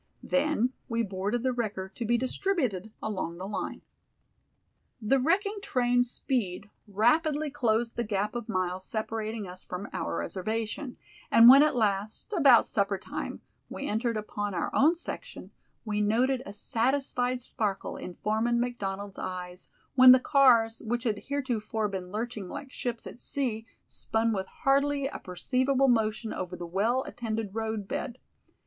Then we boarded the wrecker to be distributed along the line. The wrecking train's speed rapidly closed the gap of miles separating us from our reservation, and when at last at about supper time we entered upon our own section, we noted a satisfied sparkle in Foreman McDonald's eyes, when the cars, which had heretofore been lurching like ships at sea, spun with hardly a perceivable motion over the well attended road bed.